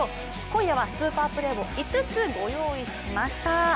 今夜はスーパープレーを５つご用意しました。